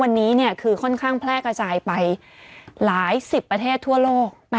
วันนี้คือค่อนข้างแพร่กระจายไปหลายสิบประเทศทั่วโลก